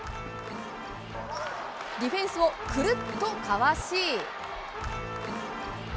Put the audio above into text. ディフェンスをくるっとかわし。